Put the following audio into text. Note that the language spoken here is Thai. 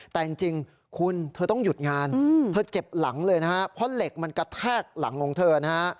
แต่จริงคุณเธอต้องหยุดงานเธอเจ็บหลังเลยนะฮะเพราะเหล็กมันกระแทกหลังของเธอนะฮะ